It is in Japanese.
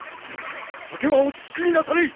酒はお慎みなされい！